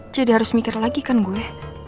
jadi harus mikir lagi kan gue